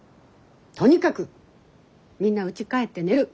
とにかくみんなうち帰って寝る。